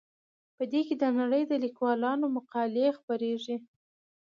په دې کې د نړۍ د لیکوالو مقالې خپریږي.